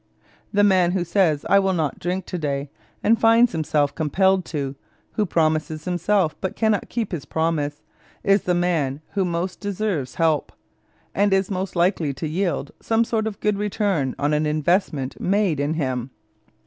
The man who says, "I will not drink to day," and finds himself compelled to; who promises himself, but cannot keep his promise, is the man who most deserves help, and is most likely to yield some sort of good return on an investment made in him.